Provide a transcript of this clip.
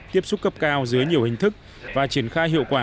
tiếp xúc cấp cao dưới nhiều hình thức và triển khai hiệu quả